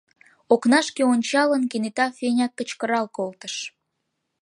— окнашке ончалын, кенета Феня кычкырал колтыш.